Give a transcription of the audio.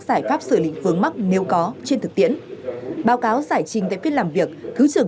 giải pháp xử lý vướng mắc nếu có trên thực tiễn báo cáo giải trình tại phiên làm việc thứ trưởng